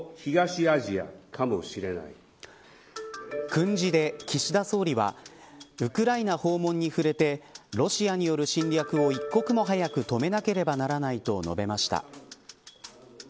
訓示で岸田総理はウクライナ訪問に触れてロシアによる侵略を、一刻も早く止めなければならないと述べました。